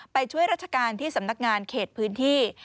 ไปช่วยราชการที่สำนักงานเขตพื้นที่